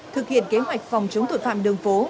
thực hiện kế hoạch phòng chống tội phạm đường phố